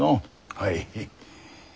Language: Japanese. はい。